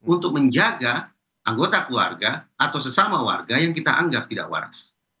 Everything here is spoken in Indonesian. untuk menjaga anggota keluarga atau sesama warga yang kita anggap tidak waras